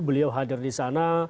beliau hadir di sana